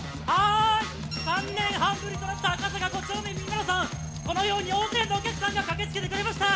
３年半ぶりとなった「赤坂５丁目ミニマラソン」、このように大勢のお客さんが駆けつけてくれました。